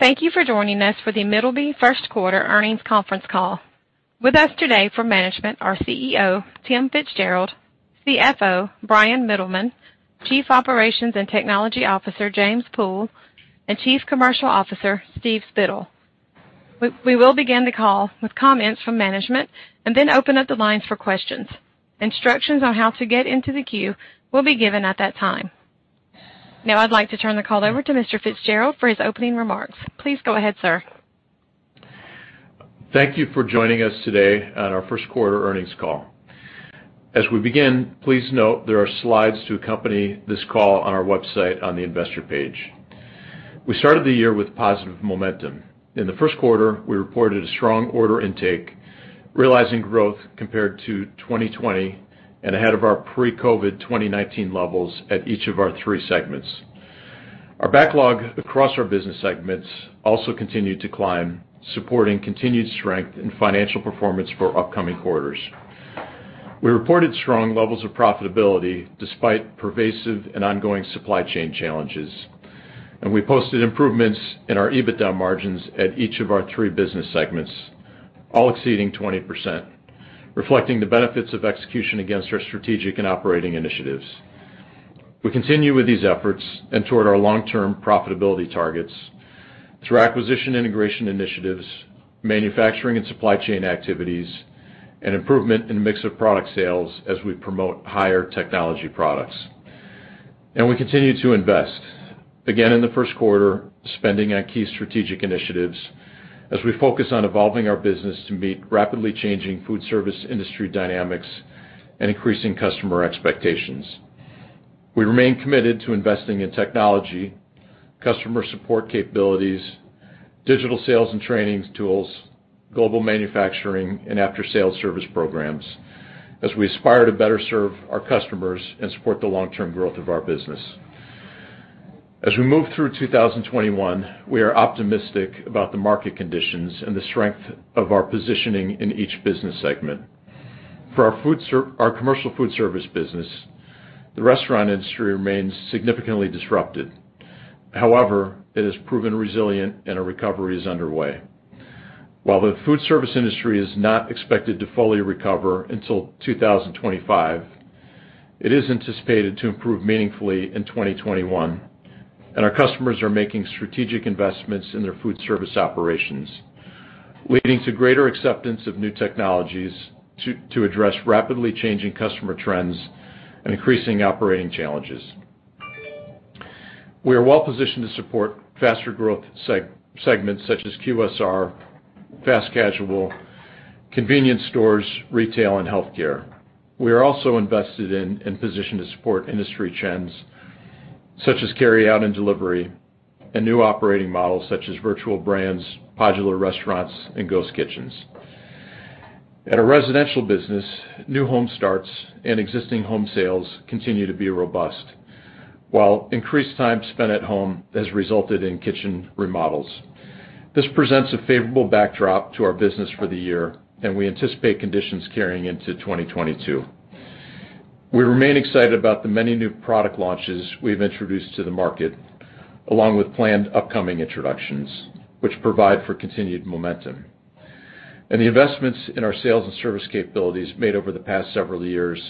Thank you for joining us for the Middleby first quarter earnings conference call. With us today for management are CEO, Tim FitzGerald, CFO, Bryan Mittelman, Chief Operations and Technology Officer, James Pool, and Chief Commercial Officer, Steve Spittle. We will begin the call with comments from management and then open up the lines for questions. Instructions on how to get into the queue will be given at that time. Now I'd like to turn the call over to Mr. FitzGerald for his opening remarks. Please go ahead, sir. Thank you for joining us today on our first quarter earnings call. As we begin, please note there are slides to accompany this call on our website on the investor page. We started the year with positive momentum. In the first quarter, we reported a strong order intake, realizing growth compared to 2020, and ahead of our pre-COVID 2019 levels at each of our three segments. Our backlog across our business segments also continued to climb, supporting continued strength in financial performance for upcoming quarters. We reported strong levels of profitability despite pervasive and ongoing supply chain challenges, and we posted improvements in our EBITDA margins at each of our three business segments, all exceeding 20%, reflecting the benefits of execution against our strategic and operating initiatives. We continue with these efforts and toward our long-term profitability targets through acquisition integration initiatives, manufacturing and supply chain activities, and improvement in mix of product sales as we promote higher technology products. We continue to invest, again in the first quarter, spending on key strategic initiatives as we focus on evolving our business to meet rapidly changing foodservice industry dynamics and increasing customer expectations. We remain committed to investing in technology, customer support capabilities, digital sales and training tools, global manufacturing, and after-sales service programs as we aspire to better serve our customers and support the long-term growth of our business. As we move through 2021, we are optimistic about the market conditions and the strength of our positioning in each business segment. For our commercial foodservice business, the restaurant industry remains significantly disrupted. However, it has proven resilient, and a recovery is underway. While the food service industry is not expected to fully recover until 2025, it is anticipated to improve meaningfully in 2021, and our customers are making strategic investments in their food service operations, leading to greater acceptance of new technologies to address rapidly changing customer trends and increasing operating challenges. We are well-positioned to support faster growth segments such as QSR, fast casual, convenience stores, retail, and healthcare. We are also invested in, and positioned to support industry trends such as carry out and delivery, and new operating models such as virtual brands, modular restaurants, and ghost kitchens. At our residential business, new home starts and existing home sales continue to be robust. While increased time spent at home has resulted in kitchen remodels, this presents a favorable backdrop to our business for the year, and we anticipate conditions carrying into 2022. We remain excited about the many new product launches we've introduced to the market, along with planned upcoming introductions, which provide for continued momentum. The investments in our sales and service capabilities made over the past several years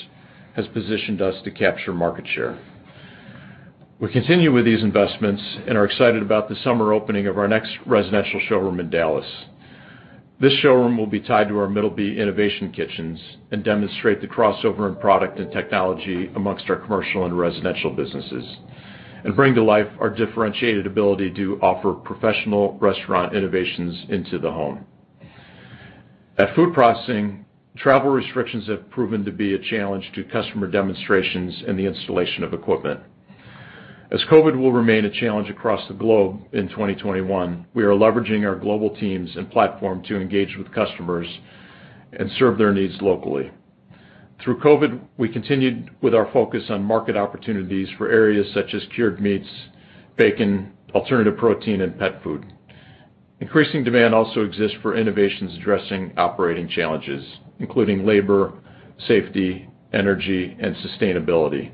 has positioned us to capture market share. We continue with these investments and are excited about the summer opening of our next residential showroom in Dallas. This showroom will be tied to our Middleby Innovation Kitchens and demonstrate the crossover in product and technology amongst our commercial and residential businesses and bring to life our differentiated ability to offer professional restaurant innovations into the home. At Food Processing, travel restrictions have proven to be a challenge to customer demonstrations and the installation of equipment. As COVID will remain a challenge across the globe in 2021, we are leveraging our global teams and platform to engage with customers and serve their needs locally. Through COVID, we continued with our focus on market opportunities for areas such as cured meats, bacon, alternative protein, and pet food. Increasing demand also exists for innovations addressing operating challenges, including labor, safety, energy, and sustainability.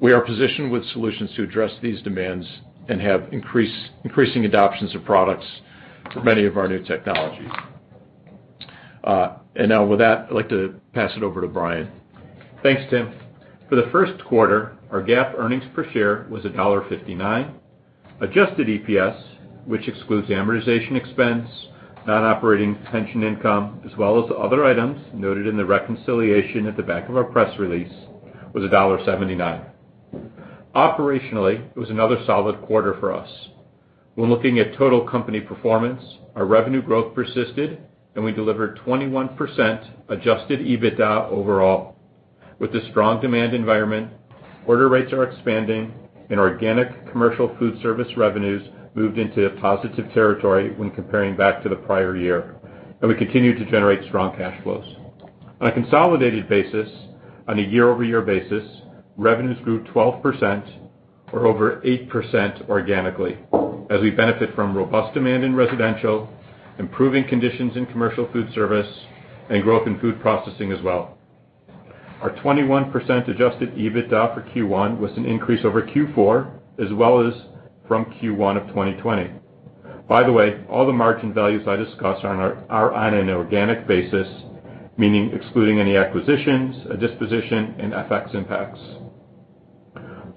We are positioned with solutions to address these demands and have increasing adoptions of products for many of our new technologies. Now with that, I'd like to pass it over to Bryan. Thanks, Tim. For the first quarter, our GAAP earnings per share was $1.59. Adjusted EPS, which excludes the amortization expense, non-operating pension income, as well as other items noted in the reconciliation at the back of our press release, was $1.79. Operationally, it was another solid quarter for us. When looking at total company performance, our revenue growth persisted, and we delivered 21% adjusted EBITDA overall. With the strong demand environment, order rates are expanding, and organic commercial food service revenues moved into a positive territory when comparing back to the prior year. We continued to generate strong cash flows. On a consolidated basis, on a year-over-year basis, revenues grew 12%, or over 8% organically, as we benefit from robust demand in residential, improving conditions in commercial food service, and growth in food processing as well. Our 21% adjusted EBITDA for Q1 was an increase over Q4, as well as from Q1 of 2020. By the way, all the margin values I discuss are on an organic basis, meaning excluding any acquisitions, a disposition, and FX impacts.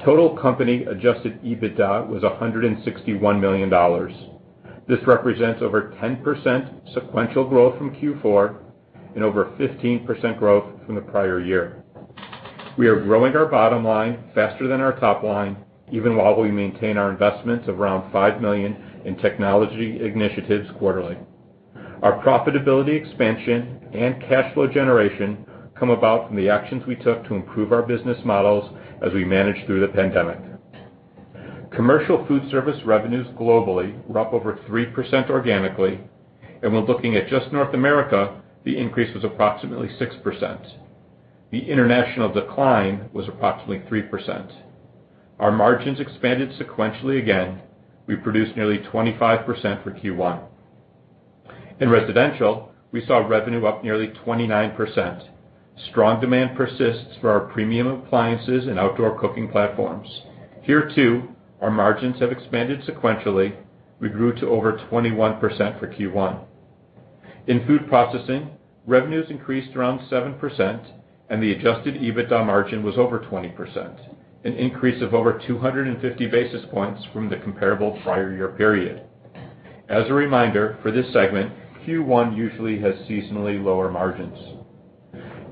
Total company adjusted EBITDA was $161 million. This represents over 10% sequential growth from Q4 and over 15% growth from the prior year. We are growing our bottom line faster than our top line, even while we maintain our investments of around $5 million in technology initiatives quarterly. Our profitability expansion and cash flow generation come about from the actions we took to improve our business models as we managed through the pandemic. Commercial food service revenues globally were up over 3% organically, and when looking at just North America, the increase was approximately 6%. The international decline was approximately 3%. Our margins expanded sequentially again. We produced nearly 25% for Q1. In residential, we saw revenue up nearly 29%. Strong demand persists for our premium appliances and outdoor cooking platforms. Here too, our margins have expanded sequentially. We grew to over 21% for Q1. In food processing, revenues increased around 7%, and the adjusted EBITDA margin was over 20%, an increase of over 250 basis points from the comparable prior year period. As a reminder, for this segment, Q1 usually has seasonally lower margins.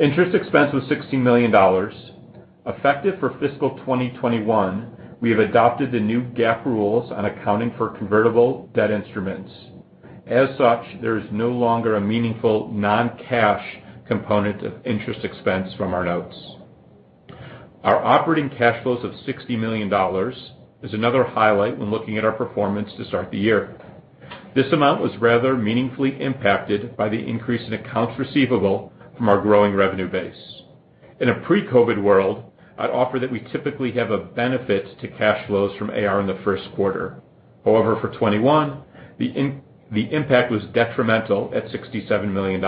Interest expense was $16 million. Effective for fiscal 2021, we have adopted the new GAAP rules on accounting for convertible debt instruments. As such, there is no longer a meaningful non-cash component of interest expense from our notes. Our operating cash flows of $60 million is another highlight when looking at our performance to start the year. This amount was rather meaningfully impacted by the increase in accounts receivable from our growing revenue base. In a pre-COVID world, I'd offer that we typically have a benefit to cash flows from AR in the first quarter. However, for 2021, the impact was detrimental at $67 million.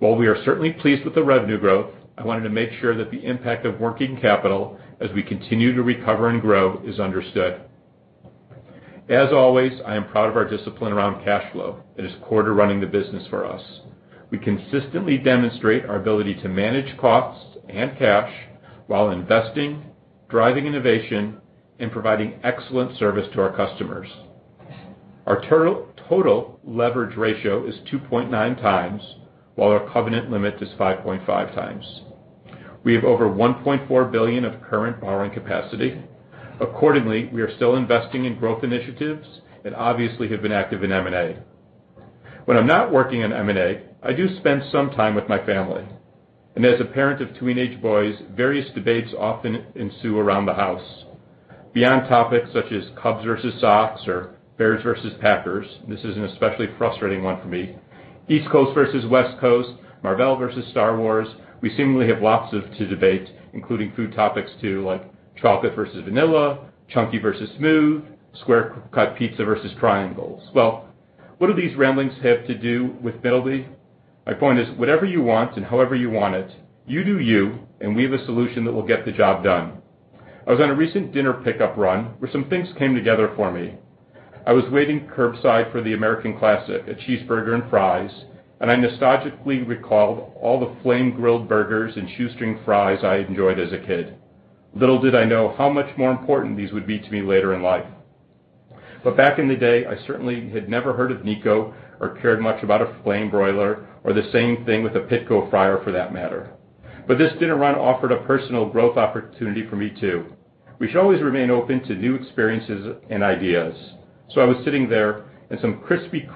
While we are certainly pleased with the revenue growth, I wanted to make sure that the impact of working capital as we continue to recover and grow is understood. As always, I am proud of our discipline around cash flow. It is core to running the business for us. We consistently demonstrate our ability to manage costs and cash while investing, driving innovation, and providing excellent service to our customers. Our total leverage ratio is 2.9x, while our covenant limit is 5.5x. We have over $1.4 billion of current borrowing capacity. Accordingly, we are still investing in growth initiatives and obviously have been active in M&A. When I'm not working in M&A, I do spend some time with my family, and as a parent of teenage boys, various debates often ensue around the house. Beyond topics such as Cubs versus Sox or Bears versus Packers, this is an especially frustrating one for me, East Coast versus West Coast, Marvel versus Star Wars, we seemingly have lots to debate, including food topics, too, like chocolate versus vanilla, chunky versus smooth, square-cut pizza versus triangles. Well, what do these ramblings have to do with Middleby? My point is, whatever you want and however you want it, you do you, and we have a solution that will get the job done. I was on a recent dinner pickup run where some things came together for me. I was waiting curbside for the American classic, a cheeseburger and fries, and I nostalgically recalled all the flame-grilled burgers and shoestring fries I enjoyed as a kid. Little did I know how much more important these would be to me later in life. Back in the day, I certainly had never heard of Nieco or cared much about a flame broiler, or the same thing with a Pitco fryer, for that matter. This dinner run offered a personal growth opportunity for me, too. We should always remain open to new experiences and ideas. I was sitting there, and some crispy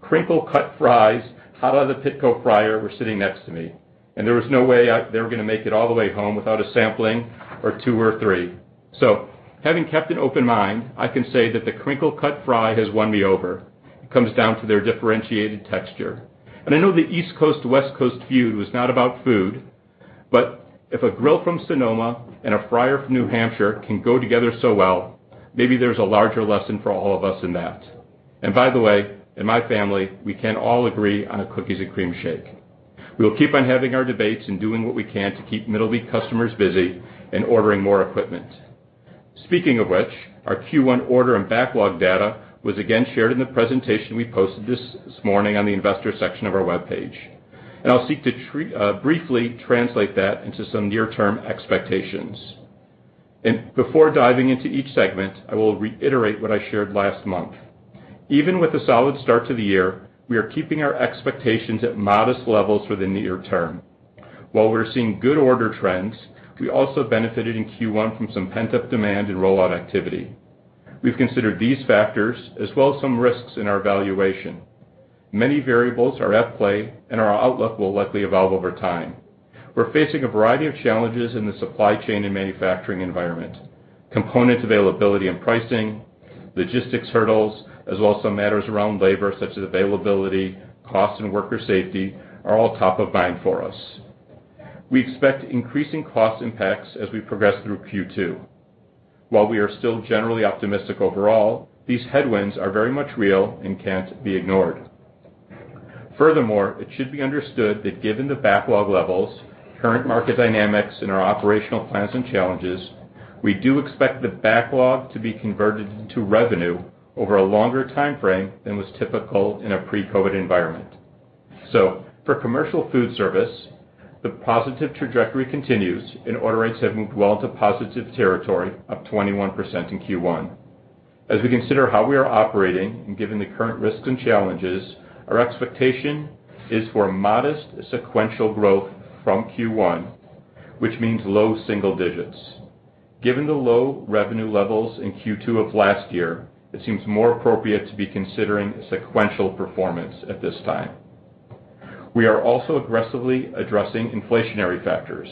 crinkle-cut fries hot out of the Pitco fryer were sitting next to me, and there was no way they were going to make it all the way home without a sampling or two or three. Having kept an open mind, I can say that the crinkle-cut fry has won me over. It comes down to their differentiated texture. I know the East Coast-West Coast feud was not about food. If a grill from Sonoma and a fryer from New Hampshire can go together so well, maybe there's a larger lesson for all of us in that. By the way, in my family, we can all agree on a cookies and cream shake. We will keep on having our debates and doing what we can to keep Middleby customers busy and ordering more equipment. Speaking of which, our Q1 order and backlog data was again shared in the presentation we posted this morning on the investor section of our webpage, I'll seek to briefly translate that into some near-term expectations. Before diving into each segment, I will reiterate what I shared last month. Even with a solid start to the year, we are keeping our expectations at modest levels for the near term. While we're seeing good order trends, we also benefited in Q1 from some pent-up demand and rollout activity. We've considered these factors, as well as some risks in our evaluation. Many variables are at play, and our outlook will likely evolve over time. We're facing a variety of challenges in the supply chain and manufacturing environment. Component availability and pricing, logistics hurdles, as well as some matters around labor, such as availability, cost, and worker safety, are all top of mind for us. We expect increasing cost impacts as we progress through Q2. While we are still generally optimistic overall, these headwinds are very much real and can't be ignored. Furthermore, it should be understood that given the backlog levels, current market dynamics, and our operational plans and challenges, we do expect the backlog to be converted into revenue over a longer timeframe than was typical in a pre-COVID environment. For commercial food service, the positive trajectory continues, and order rates have moved well into positive territory, up 21% in Q1. As we consider how we are operating and given the current risks and challenges, our expectation is for modest sequential growth from Q1, which means low single digits. Given the low revenue levels in Q2 of last year, it seems more appropriate to be considering sequential performance at this time. We are also aggressively addressing inflationary factors.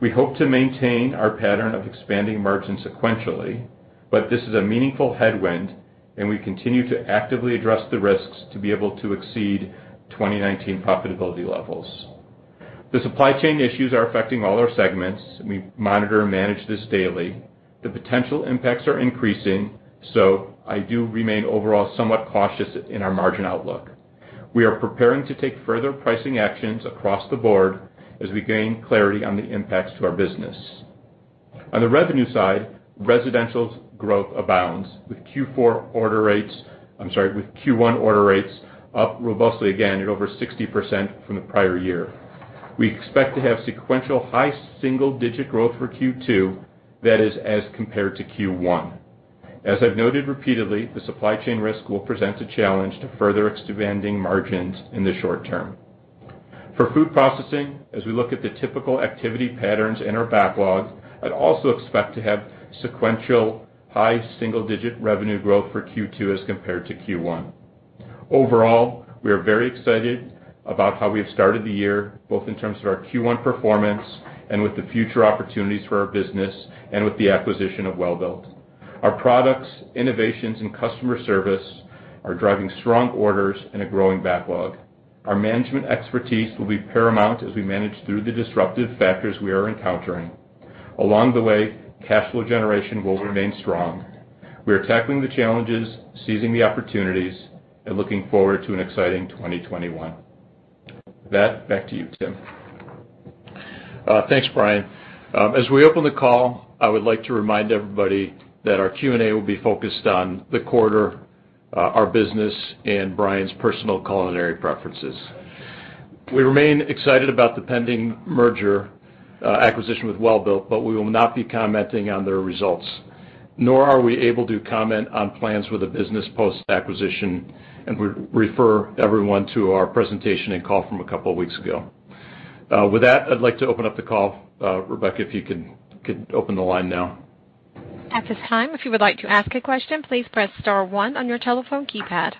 We hope to maintain our pattern of expanding margins sequentially, but this is a meaningful headwind, and we continue to actively address the risks to be able to exceed 2019 profitability levels. The supply chain issues are affecting all our segments, and we monitor and manage this daily. The potential impacts are increasing, so I do remain overall somewhat cautious in our margin outlook. We are preparing to take further pricing actions across the board as we gain clarity on the impacts to our business. On the revenue side, residential's growth abounds with, I'm sorry, with Q1 order rates up robustly again at over 60% from the prior year. We expect to have sequential high single-digit growth for Q2. That is as compared to Q1. As I've noted repeatedly, the supply chain risk will present a challenge to further expanding margins in the short term. For food processing, as we look at the typical activity patterns in our backlog, I'd also expect to have sequential high single-digit revenue growth for Q2 as compared to Q1. Overall, we are very excited about how we have started the year, both in terms of our Q1 performance and with the future opportunities for our business and with the acquisition of Welbilt. Our products, innovations, and customer service are driving strong orders and a growing backlog. Our management expertise will be paramount as we manage through the disruptive factors we are encountering. Along the way, cash flow generation will remain strong. We are tackling the challenges, seizing the opportunities, and looking forward to an exciting 2021. With that, back to you, Tim. Thanks, Bryan. As we open the call, I would like to remind everybody that our Q&A will be focused on the quarter, our business, and Bryan's personal culinary preferences. We remain excited about the pending merger acquisition with Welbilt, but we will not be commenting on their results, nor are we able to comment on plans for the business post-acquisition, and we refer everyone to our presentation and call from a couple of weeks ago. With that, I'd like to open up the call. Rebecca, if you could open the line now. At this time, if you would like to ask a question, please press star one on your telephone keypad.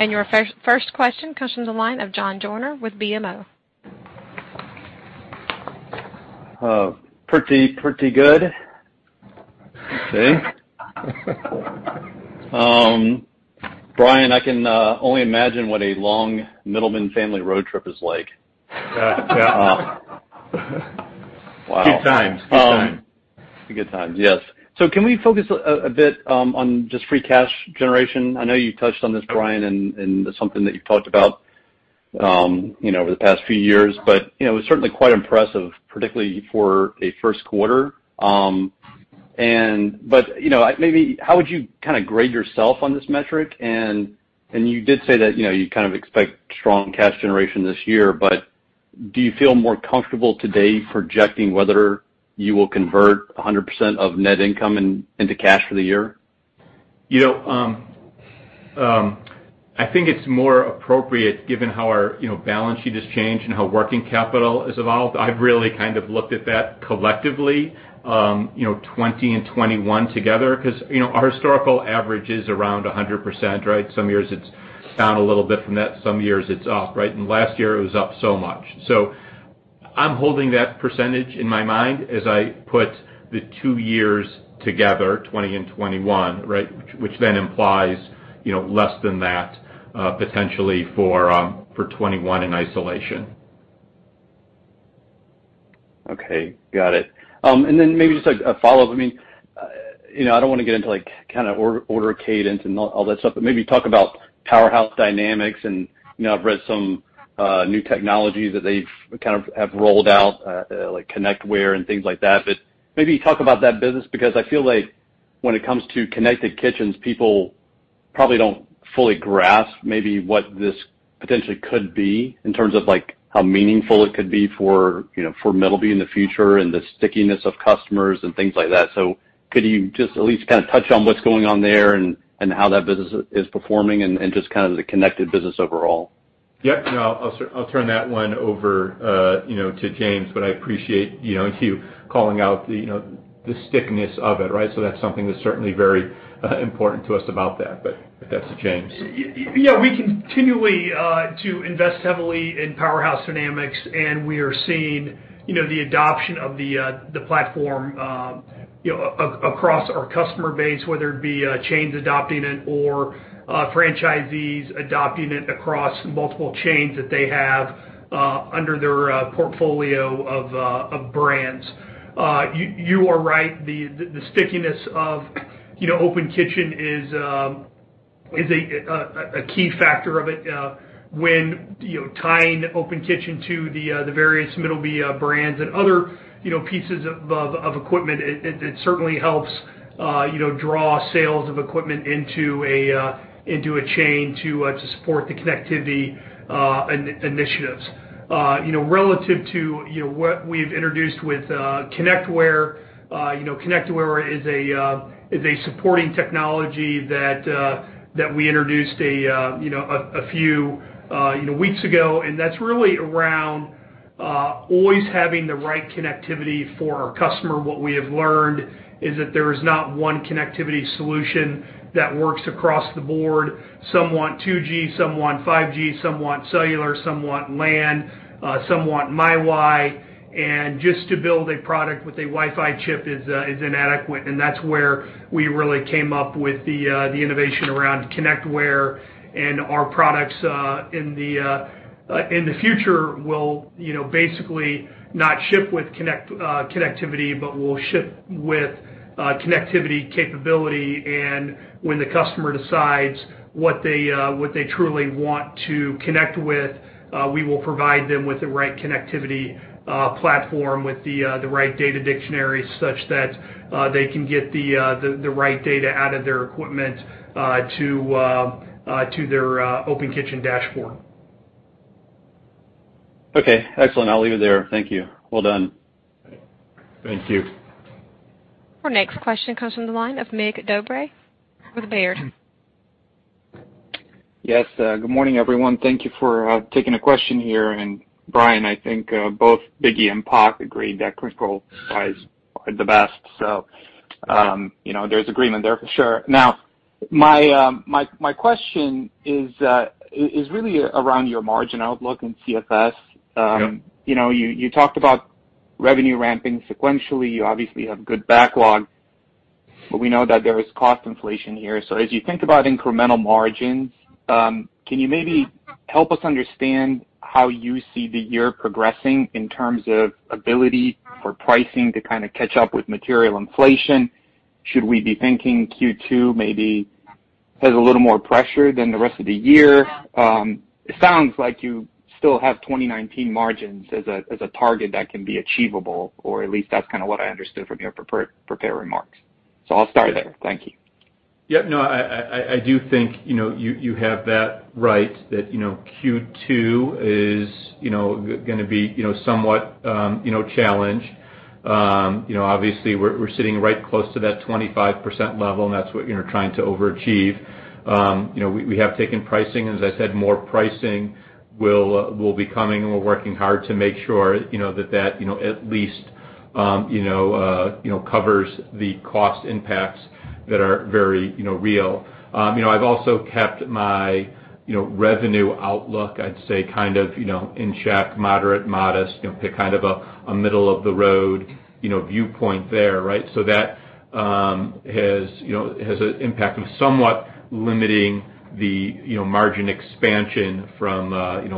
Your first question comes from the line of John Joyner with BMO. Pretty good. Okay. Bryan, I can only imagine what a long Middleby family road trip is like. Yeah. Wow. Good times. Good times, yes. Can we focus a bit on just free cash generation? I know you touched on this, Bryan, and it's something that you've talked about over the past few years, but it was certainly quite impressive, particularly for a first quarter. Maybe how would you grade yourself on this metric? You did say that you expect strong cash generation this year, but do you feel more comfortable today projecting whether you will convert 100% of net income into cash for the year? I think it's more appropriate given how our balance sheet has changed and how working capital has evolved. I've really looked at that collectively, 2020 and 2021 together, because our historical average is around 100%, right? Some years it's down a little bit from that. Some years it's up, right? Last year it was up so much. I'm holding that percentage in my mind as I put the two years together, 2020 and 2021, right? Implies less than that potentially for 2021 in isolation. Okay. Got it. Maybe just a follow-up. I don't want to get into order cadence and all that stuff, maybe talk about Powerhouse Dynamics and I've read some new technology that they have rolled out, like ConnectWare and things like that. Maybe talk about that business, because I feel like when it comes to connected kitchens, people probably don't fully grasp maybe what this potentially could be in terms of how meaningful it could be for Middleby in the future and the stickiness of customers and things like that. Could you just at least touch on what's going on there and how that business is performing and just the connected business overall? Yep. No, I'll turn that one over to James, but I appreciate you calling out the stickiness of it, right? That's something that's certainly very important to us about that. Back to James. Yeah, we continually invest heavily in Powerhouse Dynamics, and we are seeing the adoption of the platform across our customer base, whether it be chains adopting it or franchisees adopting it across multiple chains that they have under their portfolio of brands. You are right. The stickiness of Open Kitchen is a key factor of it when tying Open Kitchen to the various Middleby brands and other pieces of equipment. It certainly helps draw sales of equipment into a chain to support the connectivity initiatives. Relative to what we've introduced with ConnectWare is a supporting technology that we introduced a few weeks ago, and that's really around always having the right connectivity for our customer. What we have learned is that there is not one connectivity solution that works across the board. Some want 2G, some want 5G, some want cellular, some want LAN, some want Wi-Fi. Just to build a product with a Wi-Fi chip is inadequate, and that's where we really came up with the innovation around ConnectWare and our products in the future will basically not ship with connectivity, but will ship with connectivity capability. When the customer decides what they truly want to connect with, we will provide them with the right connectivity platform, with the right data dictionaries, such that they can get the right data out of their equipment to their Open Kitchen dashboard. Okay, excellent. I'll leave it there. Thank you. Well done. Thank you. Our next question comes from the line of Mig Dobre with Baird. Yes. Good morning, everyone. Thank you for taking a question here. Bryan, I think, both Biggie and Pac agreed that Crinkle Fries are the best. There's agreement there for sure. My question is really around your margin outlook and CFS. Yep. You talked about revenue ramping sequentially. You obviously have good backlog, but we know that there is cost inflation here. As you think about incremental margins, can you maybe help us understand how you see the year progressing in terms of ability for pricing to kind of catch up with material inflation? Should we be thinking Q2 maybe has a little more pressure than the rest of the year? It sounds like you still have 2019 margins as a target that can be achievable, or at least that's kind of what I understood from your prepared remarks. I'll start there. Thank you. Yeah, no, I do think you have that right. That Q2 is going to be somewhat challenged. Obviously, we're sitting right close to that 25% level, and that's what trying to overachieve. We have taken pricing, as I said, more pricing will be coming, and we're working hard to make sure that that at least covers the cost impacts that are very real. I've also kept my revenue outlook, I'd say kind of in check, moderate, modest, pick kind of a middle-of-the-road viewpoint there, right? That has an impact of somewhat limiting the margin expansion from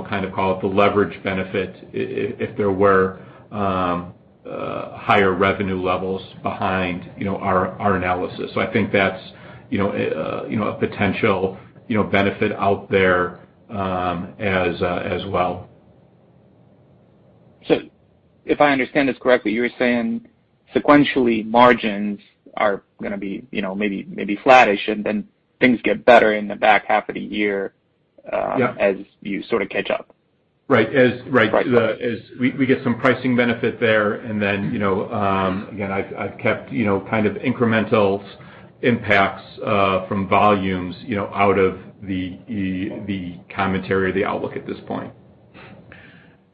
kind of call it the leverage benefit if there were higher revenue levels behind our analysis. I think that's a potential benefit out there as well. If I understand this correctly, you're saying sequentially margins are going to be maybe flattish, and then things get better in the back half of the year- Yeah. -as you sort of catch up? Right. As we get some pricing benefit there and then, again, I've kept kind of incremental impacts from volumes out of the commentary or the outlook at this point.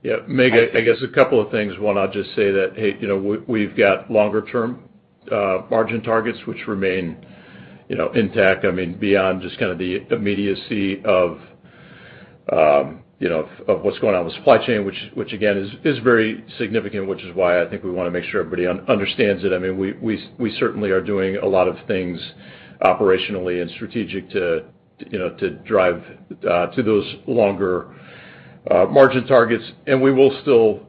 Yeah. Mig, I guess a couple of things. One, I'll just say that, hey, we've got longer term margin targets which remain intact. I mean, beyond just kind of the immediacy of what's going on with supply chain, which again, is very significant, which is why I think we want to make sure everybody understands it. I mean, we certainly are doing a lot of things operationally and strategic to drive to those longer margin targets, and we will still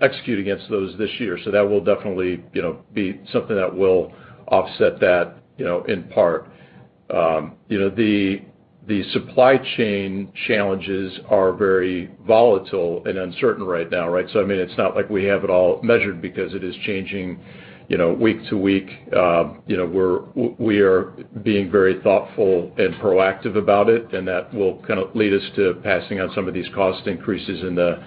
execute against those this year. That will definitely be something that will offset that in part. The supply chain challenges are very volatile and uncertain right now, right? I mean, it's not like we have it all measured because it is changing week to week. We are being very thoughtful and proactive about it, and that will kind of lead us to passing on some of these cost increases in the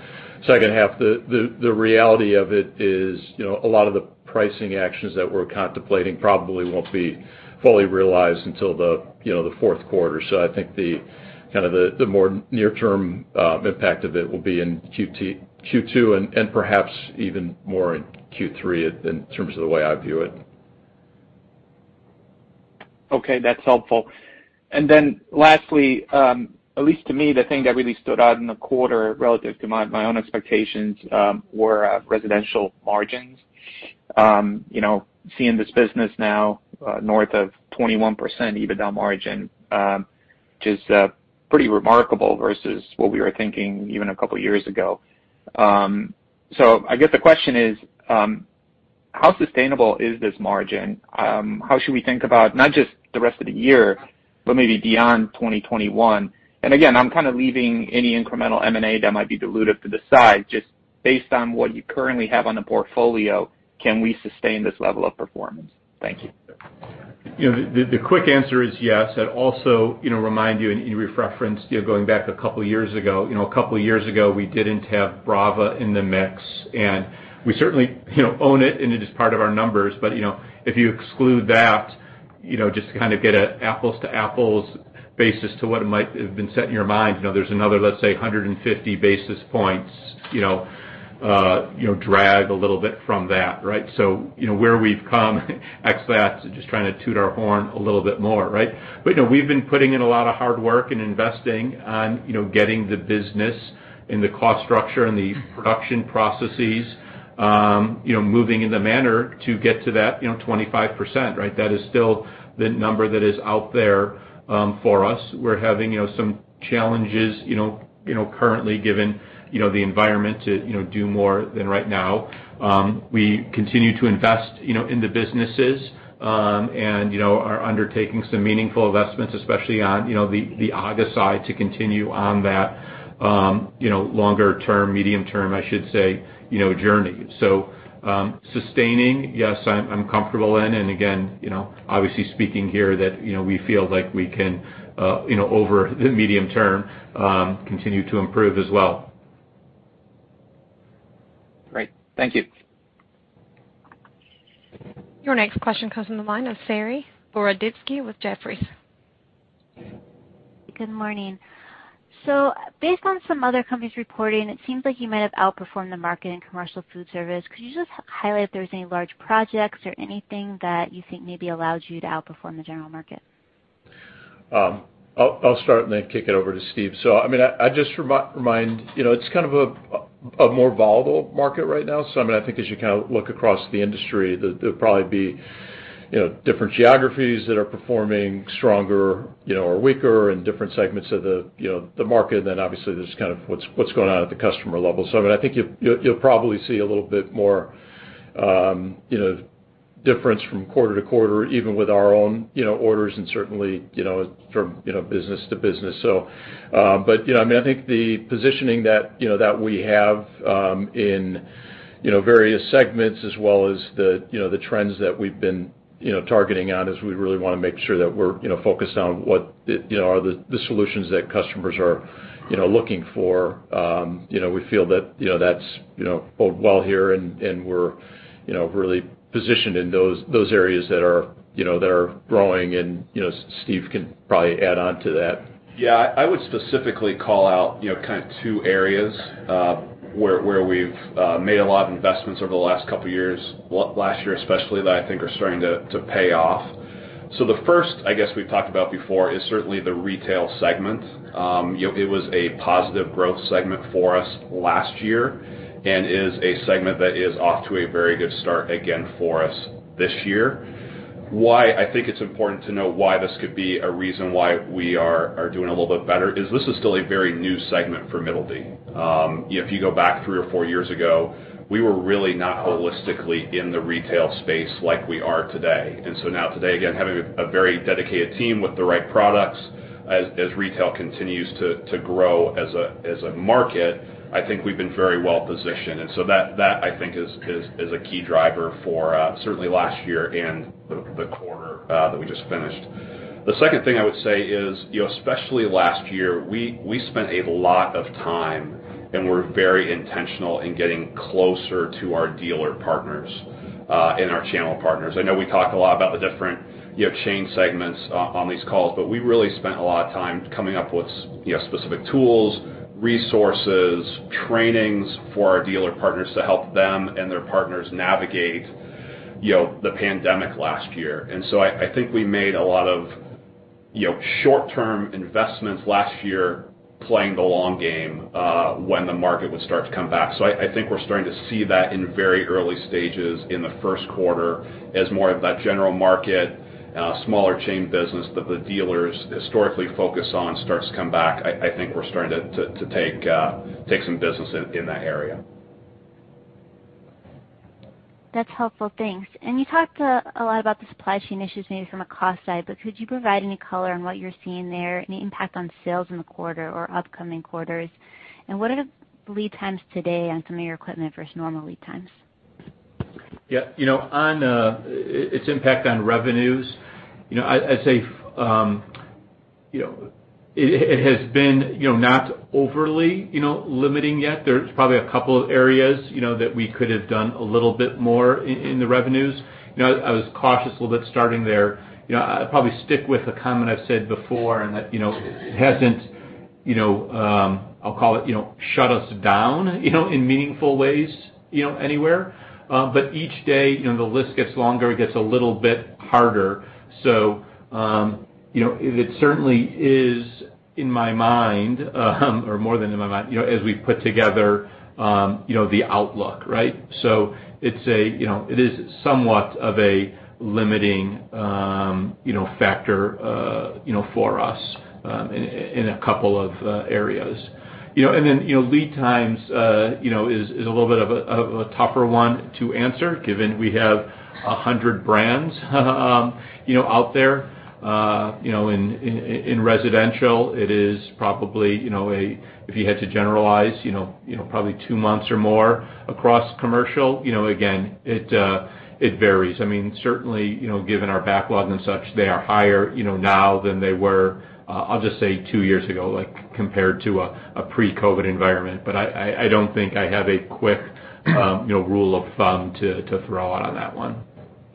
second half. The reality of it is a lot of the pricing actions that we're contemplating probably won't be fully realized until the fourth quarter. I think the kind of the more near term impact of it will be in Q2 and perhaps even more in Q3 in terms of the way I view it. Okay, that's helpful. Then lastly, at least to me, the thing that really stood out in the quarter relative to my own expectations, were residential margins. Seeing this business now north of 21% EBITDA margin, which is pretty remarkable versus what we were thinking even a couple of years ago. I guess the question is, how sustainable is this margin? How should we think about not just the rest of the year, but maybe beyond 2021? Again, I'm kind of leaving any incremental M&A that might be dilutive to the side, just based on what you currently have on the portfolio, can we sustain this level of performance? Thank you. The quick answer is yes. I'd also remind you, and you referenced going back a couple years ago, a couple years ago, we didn't have Brava in the mix, and we certainly own it, and it is part of our numbers. If you exclude that, just to kind of get an apples-to-apples basis to what it might have been set in your mind, there's another, let's say, 150 basis points drag a little bit from that. Right? Where we've come, X that, just trying to toot our horn a little bit more. Right? We've been putting in a lot of hard work and investing on getting the business and the cost structure and the production processes, moving in the manner to get to that 25%. Right? That is still the number that is out there for us. We're having some challenges currently given the environment to do more than right now. We continue to invest in the businesses, and are undertaking some meaningful investments, especially on the AGA side to continue on that longer-term, medium-term, I should say, journey. Sustaining, yes, I'm comfortable in. Again, obviously speaking here that we feel like we can, over the medium term, continue to improve as well. Great. Thank you. Your next question comes on the line of Saree Boroditsky with Jefferies. Good morning. Based on some other companies reporting, it seems like you might have outperformed the market in commercial foodservice. Could you just highlight if there's any large projects or anything that you think maybe allowed you to outperform the general market? I'll start and then kick it over to Steve. I'd just remind, it's kind of a more volatile market right now. I think as you kind of look across the industry, there'll probably be different geographies that are performing stronger or weaker in different segments of the market, then obviously there's kind of what's going on at the customer level. I think you'll probably see a little bit more difference from quarter to quarter, even with our own orders and certainly from business to business. I think the positioning that we have in various segments as well as the trends that we've been targeting on as we really want to make sure that we're focused on what are the solutions that customers are looking for. We feel that's boded well here, and we're really positioned in those areas that are growing, and Steve can probably add on to that. Yeah, I would specifically call out kind of two areas, where we've made a lot of investments over the last couple of years, last year especially, that I think are starting to pay off. The first, I guess we've talked about before, is certainly the retail segment. It was a positive growth segment for us last year and is a segment that is off to a very good start again for us this year. Why I think it's important to know why this could be a reason why we are doing a little bit better is this is still a very new segment for Middleby. If you go back three or four years ago, we were really not holistically in the retail space like we are today. Now today, again, having a very dedicated team with the right products as retail continues to grow as a market, I think we've been very well positioned. That, I think, is a key driver for certainly last year and the quarter that we just finished. The second thing I would say is, especially last year, we spent a lot of time, and we're very intentional in getting closer to our dealer partners, and our channel partners. I know we talk a lot about the different chain segments on these calls, but we really spent a lot of time coming up with specific tools, resources, trainings for our dealer partners to help them and their partners navigate the pandemic last year. I think we made a lot of short-term investments last year playing the long game when the market would start to come back. I think we're starting to see that in very early stages in the first quarter as more of that general market, smaller chain business that the dealers historically focus on starts to come back. I think we're starting to take some business in that area. That's helpful. Thanks. You talked a lot about the supply chain issues, maybe from a cost side, but could you provide any color on what you're seeing there, any impact on sales in the quarter or upcoming quarters? What are the lead times today on some of your equipment versus normal lead times? Yeah. On its impact on revenues, I'd say it has been not overly limiting yet. There's probably a couple of areas that we could have done a little bit more in the revenues. I was cautious a little bit starting there. I'd probably stick with a comment I've said before in that it hasn't I'll call it, shut us down in meaningful ways anywhere. Each day, the list gets longer, it gets a little bit harder. It certainly is in my mind, or more than in my mind, as we put together the outlook, right? It is somewhat of a limiting factor for us in a couple of areas. Lead times is a little bit of a tougher one to answer, given we have 100 brands out there. In residential, it is probably, if you had to generalize, probably two months or more. Across commercial, again, it varies. Certainly, given our backlog and such, they are higher now than they were, I'll just say two years ago, compared to a pre-COVID environment. I don't think I have a quick rule of thumb to throw out on that one.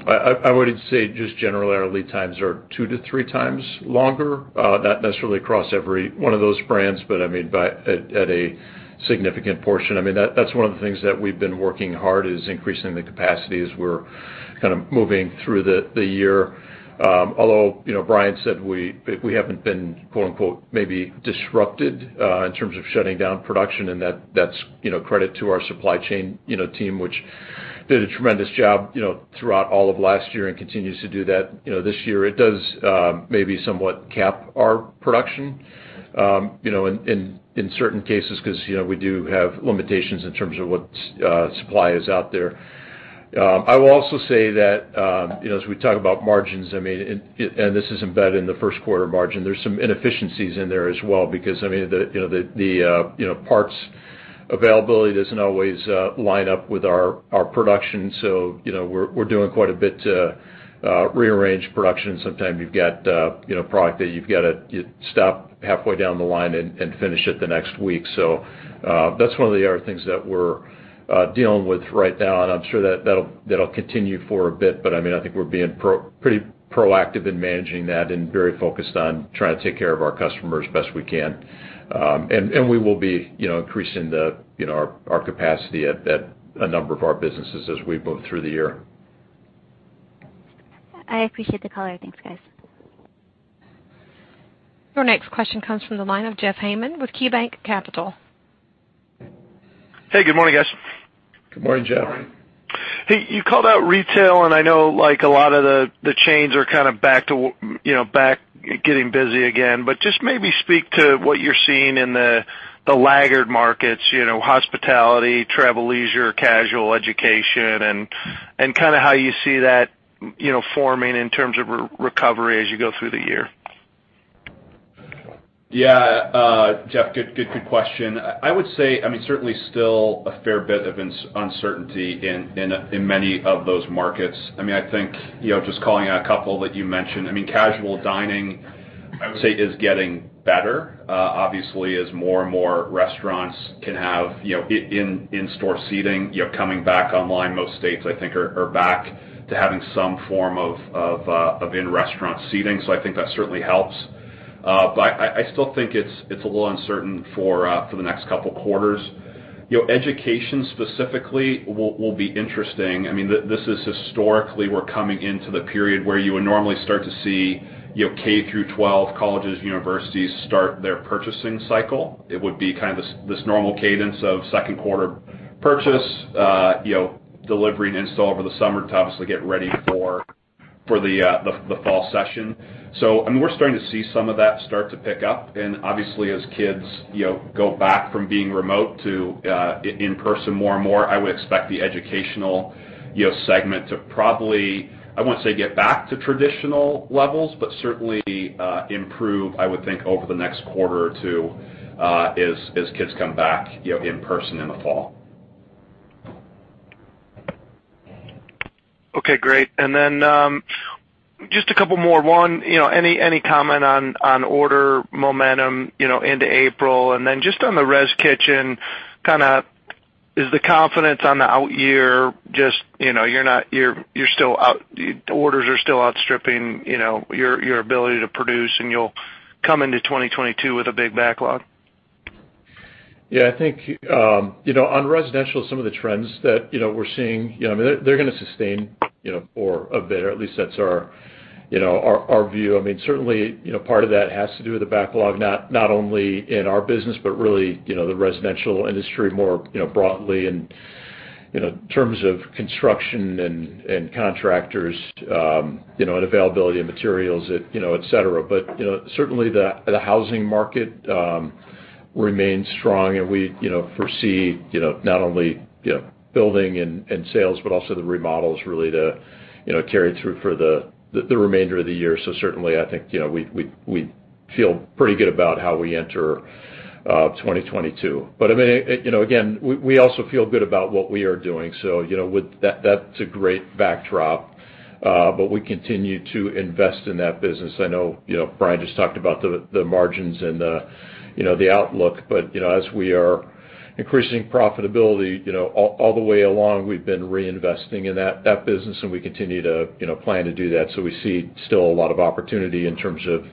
I would say just generally, our lead times are two to three times longer. Not necessarily across every one of those brands, but at a significant portion. That's one of the things that we've been working hard is increasing the capacity as we're kind of moving through the year. Bryan said we haven't been, quote unquote, "maybe disrupted" in terms of shutting down production, and that's credit to our supply chain team, which did a tremendous job throughout all of last year and continues to do that this year. It does maybe somewhat cap our production in certain cases, because we do have limitations in terms of what supply is out there. I will also say that, as we talk about margins, and this is embedded in the first quarter margin, there's some inefficiencies in there as well, because the parts availability doesn't always line up with our production. We're doing quite a bit to rearrange production. Sometimes you've got a product that you've got to stop halfway down the line and finish it the next week. That's one of the other things that we're dealing with right now, and I'm sure that'll continue for a bit. I think we're being pretty proactive in managing that and very focused on trying to take care of our customers as best we can. We will be increasing our capacity at a number of our businesses as we move through the year. I appreciate the color. Thanks, guys. Your next question comes from the line of Jeff Hammond with KeyBanc Capital. Hey, good morning, guys. Good morning, Jeff. Good morning. Hey, you called out retail. I know a lot of the chains are kind of back getting busy again. Just maybe speak to what you're seeing in the laggard markets, hospitality, travel, leisure, casual, education, and kind of how you see that forming in terms of recovery as you go through the year. Jeff, good question. I would say, certainly still a fair bit of uncertainty in many of those markets. I think, just calling out a couple that you mentioned, casual dining, I would say, is getting better, obviously, as more and more restaurants can have in-store seating coming back online. Most states, I think, are back to having some form of in-restaurant seating, I think that certainly helps. I still think it's a little uncertain for the next couple of quarters. Education specifically will be interesting. This is historically, we're coming into the period where you would normally start to see K through 12, colleges, universities start their purchasing cycle. It would be kind of this normal cadence of second quarter purchase, delivery, and install over the summer to obviously get ready for the fall session. We're starting to see some of that start to pick up. Obviously, as kids go back from being remote to in-person more and more, I would expect the educational segment to probably, I won't say get back to traditional levels, but certainly improve, I would think, over the next quarter or two as kids come back in person in the fall. Okay, great. Just a couple more. One, any comment on order momentum into April? Just on the res kitchen, is the confidence on the out year just orders are still outstripping your ability to produce and you'll come into 2022 with a big backlog? Yeah, I think on residential, some of the trends that we're seeing, they're going to sustain for a bit, or at least that's our view. Certainly, part of that has to do with the backlog, not only in our business, but really the residential industry more broadly in terms of construction and contractors, and availability of materials, et cetera. Certainly, the housing market remains strong, and we foresee not only building and sales, but also the remodels really to carry through for the remainder of the year. Certainly, I think we feel pretty good about how we enter 2022. Again, we also feel good about what we are doing, so that's a great backdrop. We continue to invest in that business. I know Bryan just talked about the margins and the outlook. As we are increasing profitability, all the way along, we've been reinvesting in that business, and we continue to plan to do that. We see still a lot of opportunity in terms of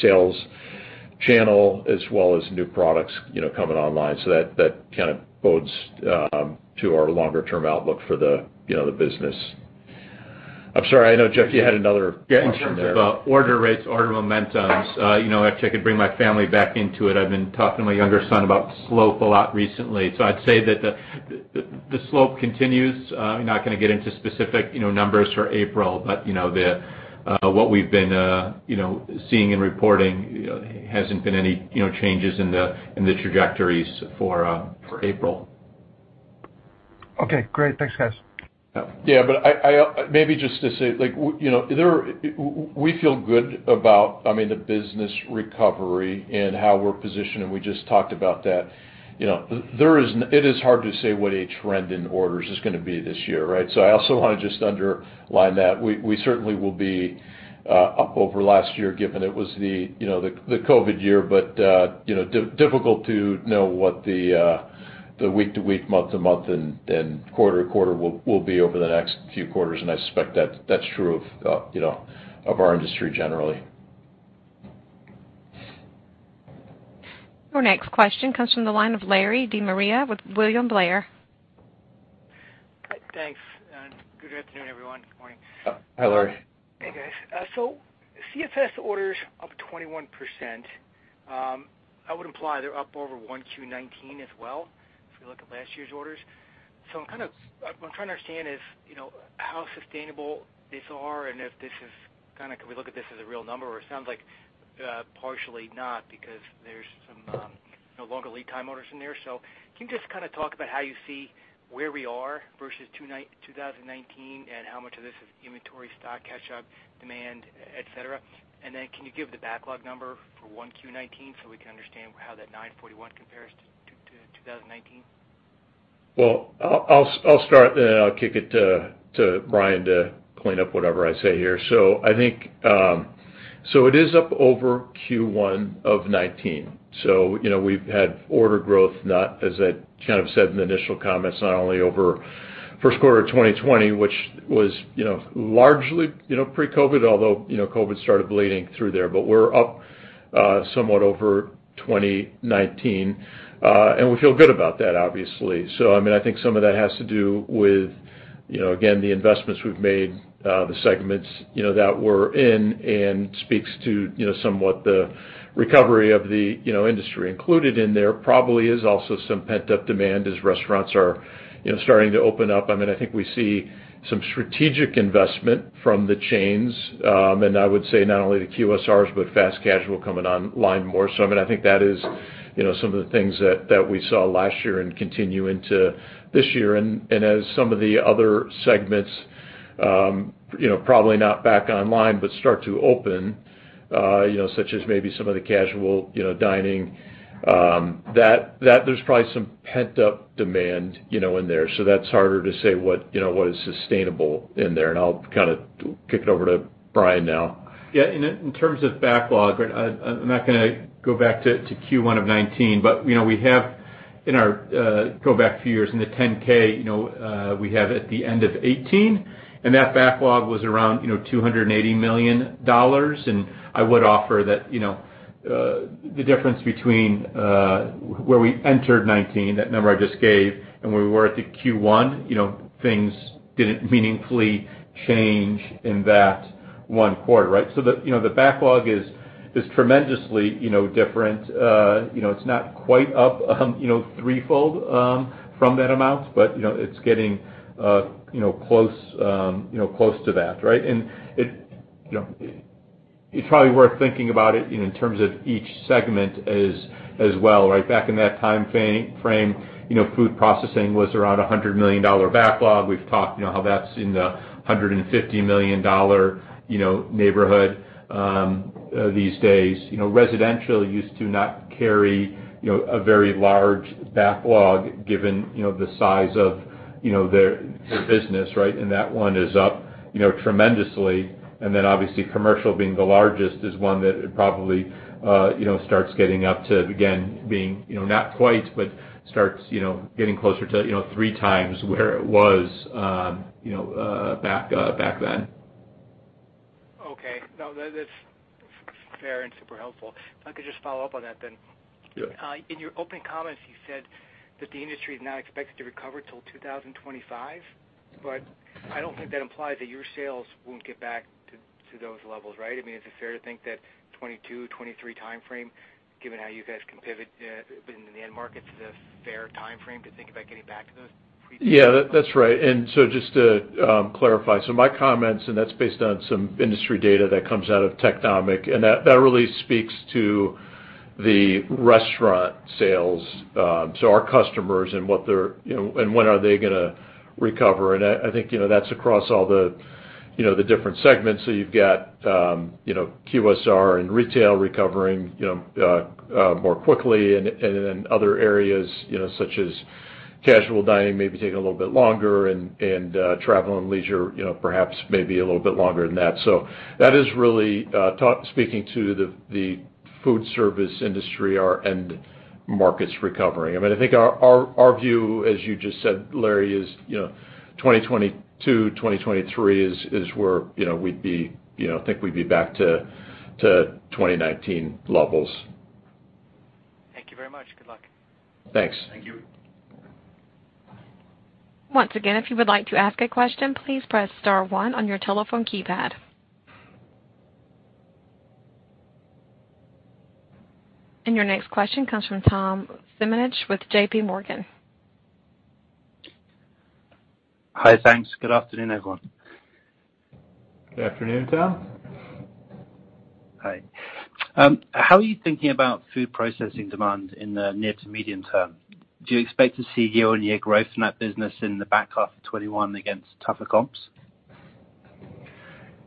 sales channel, as well as new products coming online. That bodes to our longer-term outlook for the business. I'm sorry, I know, Jeff, you had another question there. Yeah, in terms of order rates, order momentums, actually I could bring my family back into it. I've been talking to my younger son about slope a lot recently. I'd say that the slope continues. I'm not going to get into specific numbers for April, but what we've been seeing and reporting, hasn't been any changes in the trajectories for April. Okay, great. Thanks, guys. Maybe just to say, we feel good about the business recovery and how we're positioned, and we just talked about that. It is hard to say what a trend in orders is going to be this year, right? I also want to just underline that. We certainly will be up over last year, given it was the COVID year. Difficult to know what the week to week, month to month, and quarter to quarter will be over the next few quarters, and I suspect that's true of our industry generally. Our next question comes from the line of Larry De Maria with William Blair. Thanks, and good afternoon, everyone. Good morning. Hi, Larry. Hey, guys. CFS orders up 21%. I would imply they're up over 1Q 2019 as well, if we look at last year's orders. I'm trying to understand how sustainable these are and if can we look at this as a real number? It sounds like partially not, because there's some longer lead time orders in there. Can you just talk about how you see where we are versus 2019, and how much of this is inventory stock catch-up demand, et cetera? Then can you give the backlog number for 1Q19 so we can understand how that $941 compares to 2019? I'll start, then I'll kick it to Bryan to clean up whatever I say here. It is up over Q1 of 2019. We've had order growth, as I kind of said in the initial comments, not only over first quarter of 2020, which was largely, pre-COVID, although, COVID started bleeding through there, but we're up somewhat over 2019. We feel good about that, obviously. I think some of that has to do with, again, the investments we've made, the segments that we're in, and speaks to somewhat the recovery of the industry. Included in there probably is also some pent-up demand as restaurants are starting to open up. I think we see some strategic investment from the chains, and I would say not only the QSRs, but fast casual coming online more so. I think that is some of the things that we saw last year and continue into this year. As some of the other segments, probably not back online, but start to open, such as maybe some of the casual dining, there's probably some pent-up demand in there. That's harder to say what is sustainable in there, and I'll kind of kick it over to Bryan now. Yeah, in terms of backlog, I'm not going to go back to Q1 of 2019, go back a few years in the 10-K, we have at the end of 2018, and that backlog was around $280 million. I would offer that the difference between where we entered 2019, that number I just gave, and where we were at the Q1, things didn't meaningfully change in that one quarter, right? The backlog is tremendously different. It's not quite up threefold from that amount, it's getting close to that, right? It's probably worth thinking about it in terms of each segment as well, right? Back in that time frame, food processing was around $100 million backlog. We've talked how that's in the $150 million neighborhood these days. Residential used to not carry a very large backlog given the size of their business, right? That one is up tremendously. Obviously commercial being the largest is one that it probably starts getting up to, again, being, not quite, but starts getting closer to three times where it was back then. Okay. No, that's fair and super helpful. If I could just follow up on that then. Yeah. In your opening comments, you said that the industry is not expected to recover till 2025. I don't think that implies that your sales won't get back to those levels, right? Is it fair to think that 2022, 2023 timeframe, given how you guys can pivot in the end markets, is a fair timeframe to think about getting back to those previous- Yeah, that's right. Just to clarify, my comments, that's based on some industry data that comes out of Technomic, that really speaks to the restaurant sales. Our customers and when are they going to recover? I think that's across all the different segments. You've got QSR and retail recovering more quickly, other areas such as casual dining, maybe taking a little bit longer, travel and leisure, perhaps maybe a little bit longer than that. That is really speaking to the food service industry, our end markets recovery. I think our view, as you just said, Larry, is 2022, 2023 is where I think we'd be back to 2019 levels. Thank you very much. Good luck. Thanks. Thank you. Once again, if you would like to ask a question, please press star one on your telephone keypad. Your next question comes from Tom Simonitsch with JPMorgan. Hi, thanks. Good afternoon, everyone. Good afternoon, Tom. Hi. How are you thinking about food processing demand in the near to medium term? Do you expect to see year-on-year growth in that business in the back half of 2021 against tougher comps?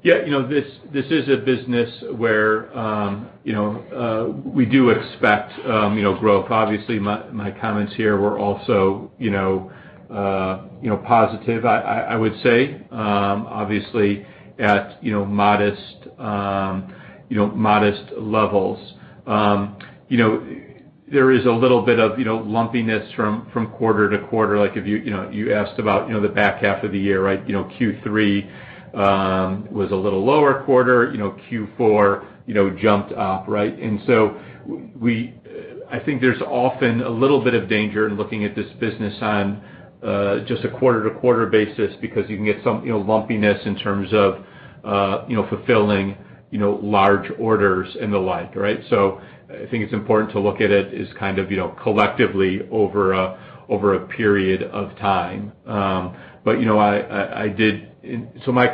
This is a business where we do expect growth. Obviously, my comments here were also positive, I would say. Obviously, at modest levels. There is a little bit of lumpiness from quarter to quarter. You asked about the back half of the year. Q3 was a little lower quarter. Q4 jumped up. I think there's often a little bit of danger in looking at this business on just a quarter-to-quarter basis because you can get some lumpiness in terms of fulfilling large orders and the like. I think it's important to look at it as kind of collectively over a period of time. My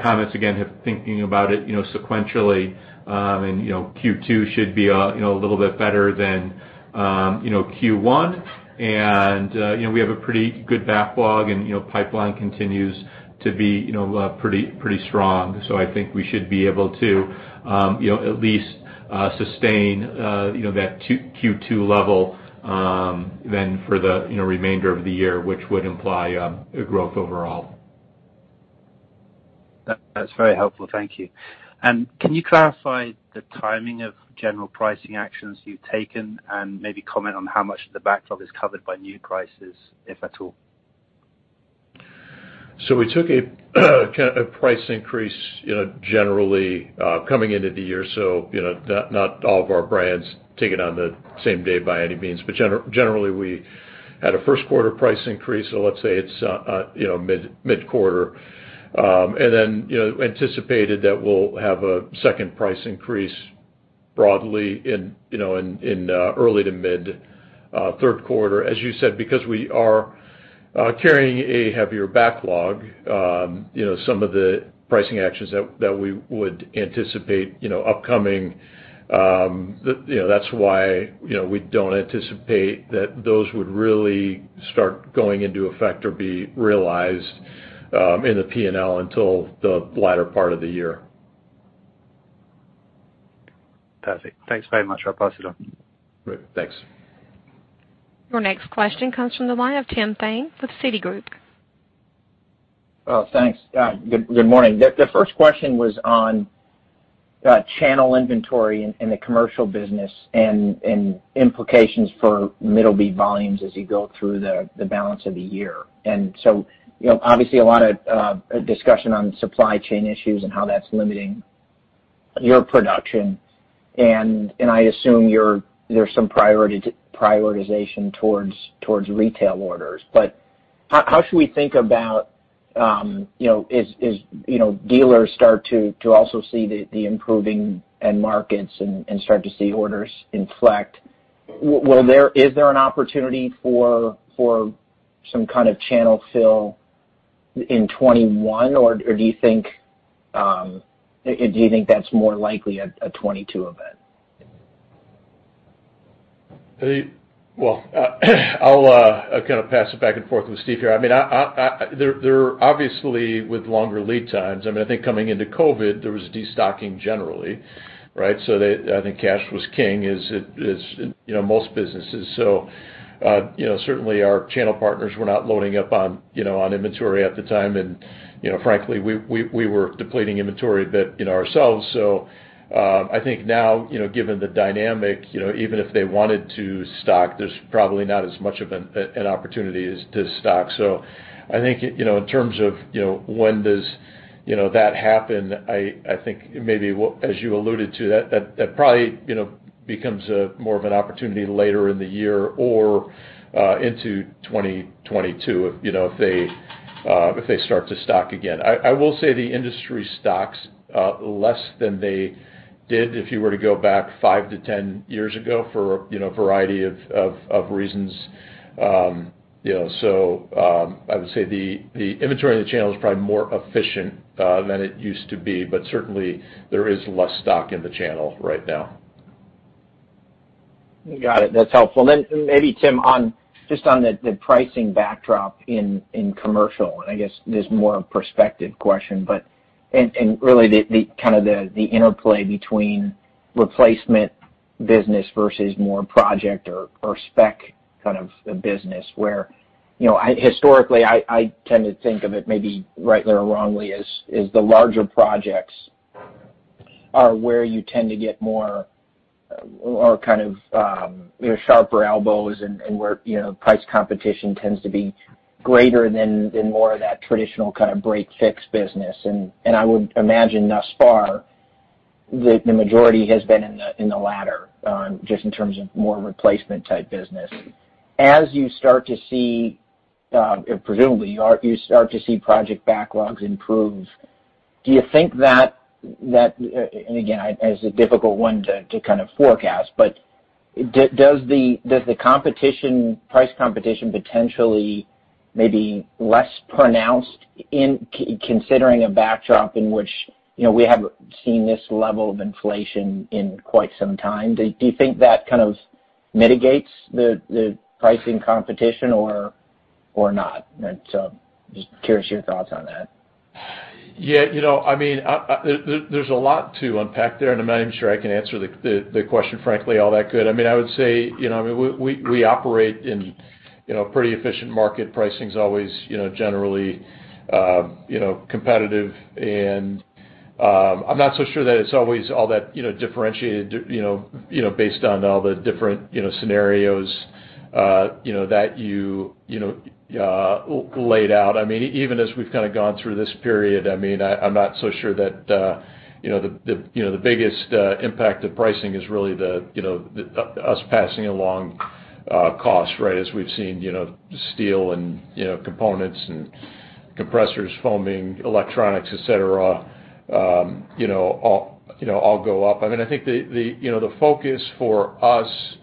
comments, again, have thinking about it sequentially, Q2 should be a little bit better than Q1. We have a pretty good backlog, and pipeline continues to be pretty strong. I think we should be able to at least sustain that Q2 level then for the remainder of the year, which would imply a growth overall. That's very helpful. Thank you. Can you clarify the timing of general pricing actions you've taken and maybe comment on how much of the backlog is covered by new prices, if at all? We took a price increase generally coming into the year, so not all of our brands taken on the same day by any means. Generally, we had a first quarter price increase, so let's say it's mid-quarter. Then anticipated that we'll have a second price increase broadly in early to mid third quarter, as you said, because we are carrying a heavier backlog. Some of the pricing actions that we would anticipate upcoming, that's why we don't anticipate that those would really start going into effect or be realized in the P&L until the latter part of the year. Perfect. Thanks very much. I'll pass it on. Great. Thanks. Your next question comes from the line of Tim Thein with Citigroup. Well, thanks. Good morning. The first question was on channel inventory in the commercial business and implications for Middleby volumes as you go through the balance of the year. Obviously, a lot of discussion on supply chain issues and how that's limiting your production, and I assume there's some prioritization towards retail orders. How should we think about as dealers start to also see the improving end markets and start to see orders inflect, is there an opportunity for some kind of channel fill in 2021, or do you think that's more likely a 2022 event? Well, I'll kind of pass it back and forth with Steve here. Obviously, with longer lead times, I think coming into COVID, there was de-stocking generally. I think cash was king as in most businesses. Certainly, our channel partners were not loading up on inventory at the time, and frankly, we were depleting inventory a bit ourselves. I think now, given the dynamic, even if they wanted to stock, there's probably not as much of an opportunity to stock. I think in terms of when does that happen, I think maybe, as you alluded to, that probably becomes more of an opportunity later in the year or into 2022, if they start to stock again. I will say the industry stocks less than they did if you were to go back five to 10 years ago for a variety of reasons. I would say the inventory in the channel is probably more efficient than it used to be, but certainly, there is less stock in the channel right now. Got it. That's helpful. Maybe, Tim, just on the pricing backdrop in commercial, and I guess this is more a perspective question. Really, kind of the interplay between replacement business versus more project or spec kind of a business where historically, I tend to think of it maybe rightly or wrongly as the larger projects are where you tend to get more kind of sharper elbows and where price competition tends to be greater than more of that traditional kind of break-fix business. I would imagine thus far, the majority has been in the latter, just in terms of more replacement type business. As you start to see, presumably, you start to see project backlogs improve. Do you think that, and again, as a difficult one to kind of forecast, but does the price competition potentially may be less pronounced in considering a backdrop in which we haven't seen this level of inflation in quite some time? Do you think that kind of mitigates the pricing competition or not? Just curious your thoughts on that. Yeah. There's a lot to unpack there. I'm not even sure I can answer the question, frankly, all that good. Pricing's always generally competitive. I'm not so sure that it's always all that differentiated based on all the different scenarios that you laid out. Even as we've kind of gone through this period, I'm not so sure that the biggest impact of pricing is really us passing along costs, right, as we've seen steel and components and compressors, foaming, electronics, et cetera, all go up. I think the focus for us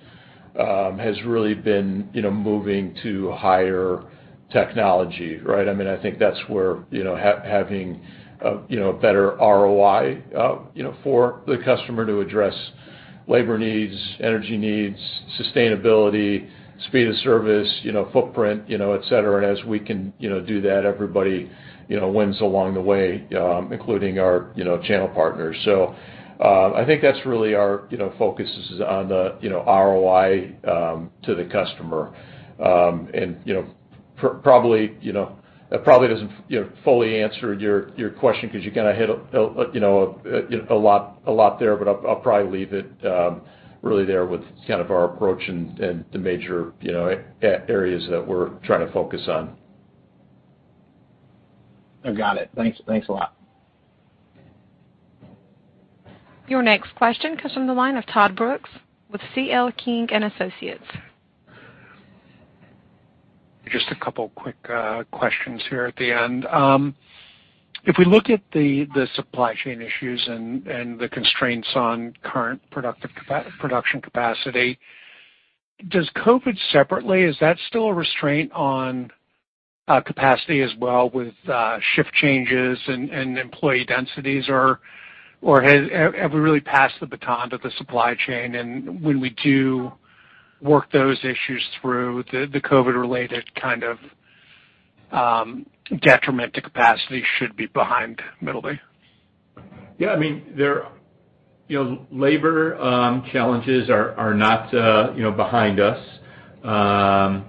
has really been moving to higher technology, right? I think that's where having a better ROI, for the customer to address labor needs, energy needs, sustainability, speed of service, footprint, et cetera. As we can do that everybody wins along the way, including our channel partners. I think that's really our focus is on the ROI to the customer. That probably doesn't fully answer your question because you kind of hit a lot there, but I'll probably leave it really there with kind of our approach and the major areas that we're trying to focus on. I got it. Thanks a lot. Your next question comes from the line of Todd Brooks with C.L. King & Associates. Just a couple quick questions here at the end. If we look at the supply chain issues and the constraints on current production capacity, does COVID separately, is that still a restraint on capacity as well with shift changes and employee densities, or have we really passed the baton to the supply chain? When we do work those issues through the COVID-related kind of detriment to capacity should be behind Middleby. Yeah. Labor challenges are not behind us. We are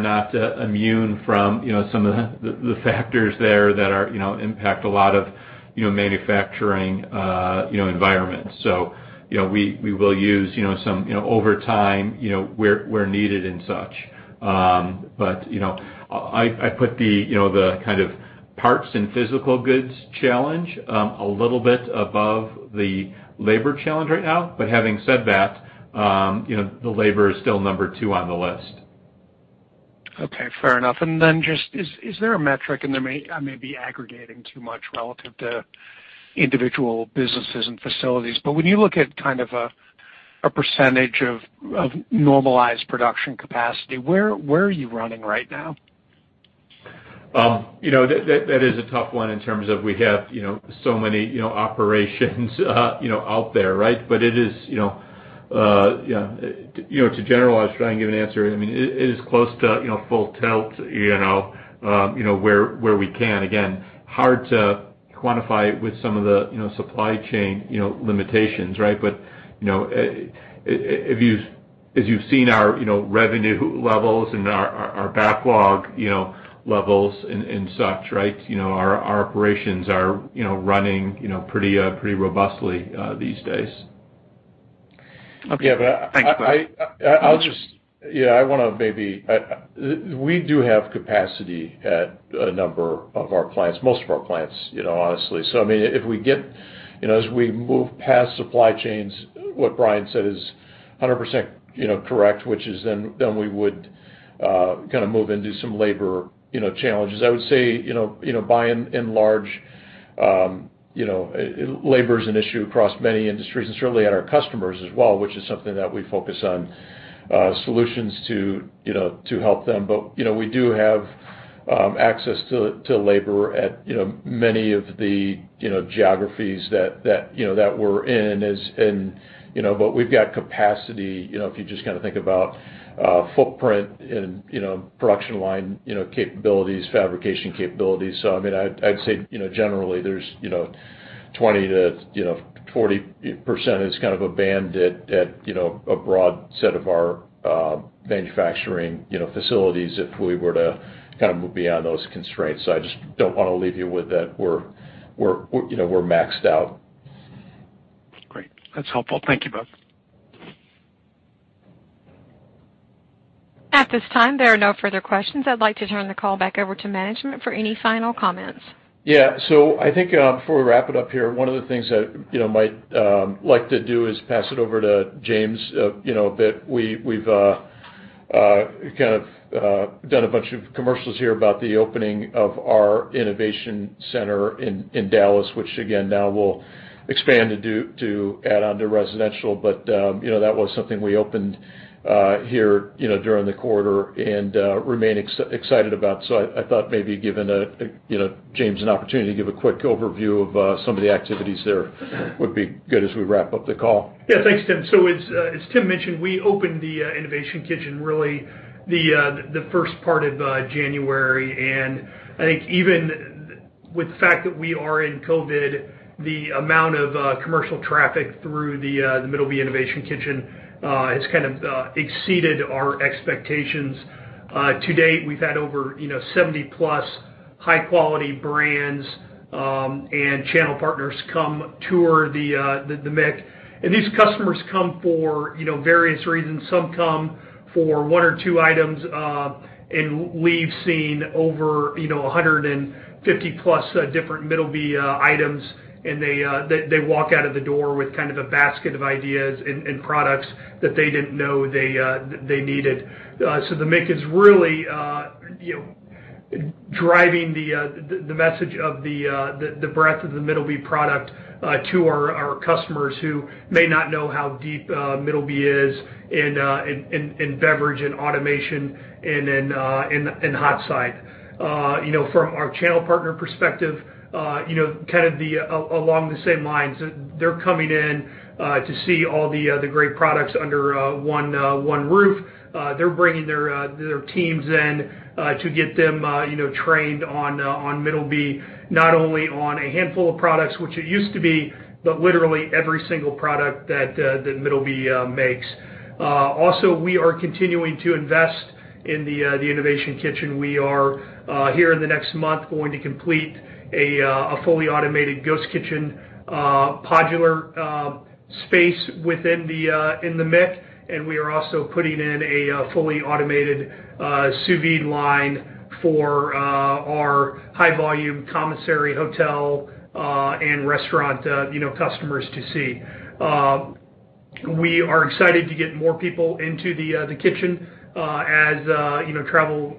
not immune from some of the factors there that impact a lot of manufacturing environments. We will use some over time where needed and such. I put the kind of parts and physical goods challenge a little bit above the labor challenge right now. Having said that, the labor is still number two on the list. Okay. Fair enough. Then just, is there a metric, and I may be aggregating too much relative to individual businesses and facilities, but when you look at kind of a percentage of normalized production capacity, where are you running right now? That is a tough one in terms of we have so many operations out there, right? To generalize, try and give an answer, it is close to full tilt where we can. Again, hard to quantify with some of the supply chain limitations, right? As you've seen our revenue levels and our backlog levels and such, right, our operations are running pretty robustly these days. Okay. Thanks, Bryan. I want to maybe we do have capacity at a number of our plants, most of our plants, honestly. If we move past supply chains, what Bryan said is 100% correct, which is then we would kind of move into some labor challenges. I would say, by and large, labor is an issue across many industries and certainly at our customers as well, which is something that we focus on solutions to help them. We do have access to labor at many of the geographies that we're in, but we've got capacity, if you just kind of think about footprint and production line capabilities, fabrication capabilities. I'd say generally there's 20%-40% is kind of a band at a broad set of our manufacturing facilities if we were to kind of move beyond those constraints. I just don't want to leave you with that we're maxed out. Great. That's helpful. Thank you, both. At this time, there are no further questions. I'd like to turn the call back over to management for any final comments. Yeah. I think before we wrap it up here, one of the things that I might like to do is pass it over to James. We've done a bunch of commercials here about the opening of our innovation center in Dallas, which again, now we'll expand to add onto residential. That was something we opened here during the quarter and remain excited about. I thought maybe giving James an opportunity to give a quick overview of some of the activities there would be good as we wrap up the call. Thanks, Tim. As Tim mentioned, we opened the innovation kitchen really the first part of January, and I think even with the fact that we are in COVID, the amount of commercial traffic through the Middleby Innovation Kitchen has kind of exceeded our expectations. To date, we've had over 70+ high-quality brands and channel partners come tour the MIK. These customers come for various reasons. Some come for one or two items, and we've seen over 150+ different Middleby items, and they walk out of the door with kind of a basket of ideas and products that they didn't know they needed. The MIK is really driving the message of the breadth of the Middleby product to our customers who may not know how deep Middleby is in beverage and automation and in hot side. From our channel partner perspective, kind of along the same lines, they're coming in to see all the great products under one roof. They're bringing their teams in to get them trained on Middleby, not only on a handful of products, which it used to be, but literally every single product that Middleby makes. We are continuing to invest in the Innovation Kitchen. We are, here in the next month, going to complete a fully automated ghost kitchen podular space within the MIK, and we are also putting in a fully automated sous vide line for our high-volume commissary, hotel, and restaurant customers to see. We are excited to get more people into the kitchen as travel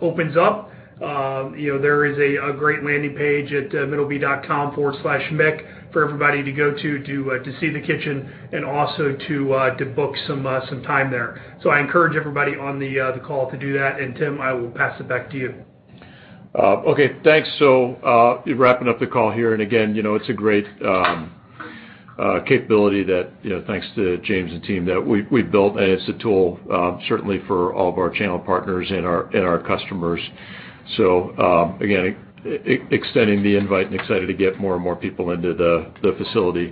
opens up. There is a great landing page at middleby.com/mik for everybody to go to see the kitchen and also to book some time there. I encourage everybody on the call to do that, and Tim, I will pass it back to you. Okay, thanks. Wrapping up the call here, and again, it's a great capability that, thanks to James and team, that we've built, and it's a tool certainly for all of our channel partners and our customers. Again, extending the invite and excited to get more and more people into the facility.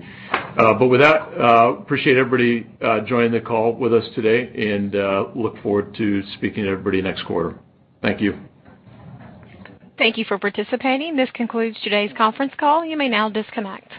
With that, appreciate everybody joining the call with us today, and look forward to speaking to everybody next quarter. Thank you. Thank you for participating. This concludes today's conference call. You may now disconnect.